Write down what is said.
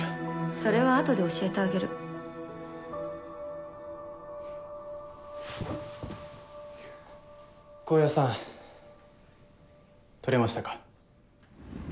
それはあとで教えてあげる洸也さん撮れましたか？